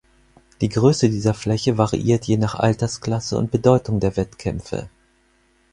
Die Größe dieser Fläche variiert je nach Altersklasse und Bedeutung der Wettkämpfe.